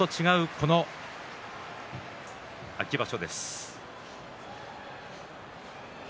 この秋場所です。